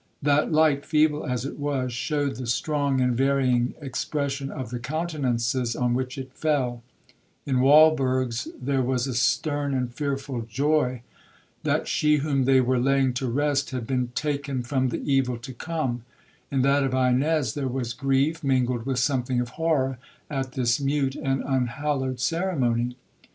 That light, feeble as it was, showed the strong and varying expression of the countenances on which it fell;—in Walberg's there was a stern and fearful joy, that she whom they were laying to rest had been 'taken from the evil to come,'—in that of Ines there was grief, mingled with something of horror, at this mute and unhallowed ceremony.